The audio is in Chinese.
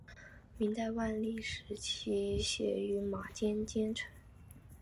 明代万历时期任御马监监丞。